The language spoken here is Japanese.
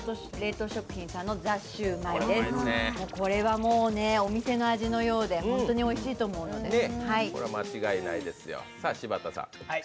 これはもうねお店の味のようで本当においしいと思うので。